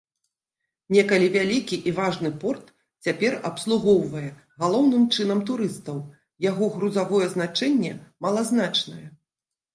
Некалі вялікі і важны порт цяпер абслугоўвае галоўным чынам турыстаў, яго грузавое значэнне малазначнае.